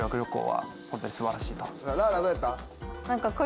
らーらどうやった？